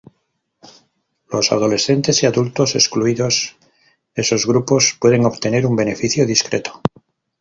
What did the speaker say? Los adolescentes y adultos, excluidos esos grupos, pueden obtener un beneficio discreto.